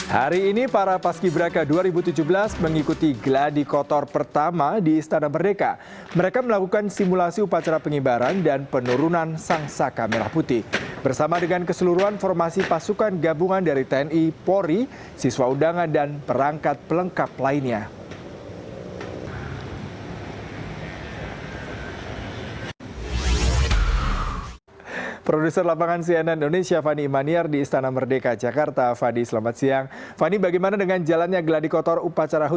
hari ini para paski beraka dua ribu tujuh belas mengikuti gladi kotor pertama di istana merdeka